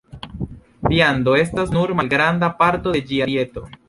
Viando estas nur malgranda parto de ĝia dieto.